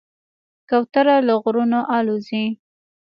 کوتره له غرونو الوزي.